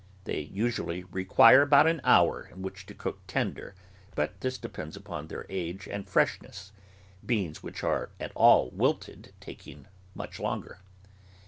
They usually require about an hour in which to cook tender, but this depends upon their age and freshness, beans which are at all wilted taking much longer.